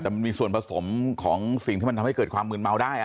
แต่มันมีส่วนผสมของสิ่งที่มันทำให้เกิดความมืนเมาได้